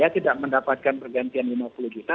tidak mendapatkan pergantian lima puluh juta